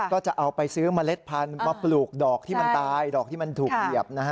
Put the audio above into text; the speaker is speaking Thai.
ก็จะเอาไปซื้อเมล็ดพันธุ์มาปลูกดอกที่มันตายดอกที่มันถูกเหยียบนะฮะ